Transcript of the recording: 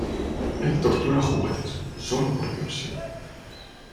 ¡ Él tortura juguetes, sólo por diversión!